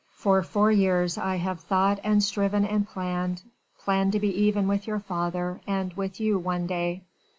For four years I have thought and striven and planned, planned to be even with your father and with you one day.